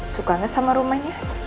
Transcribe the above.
suka gak sama rumahnya